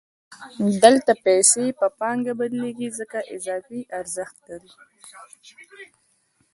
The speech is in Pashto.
دلته پیسې په پانګه بدلېږي ځکه اضافي ارزښت لري